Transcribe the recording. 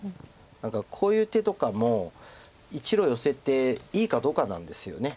何かこういう手とかも１路ヨセていいかどうかなんですよね。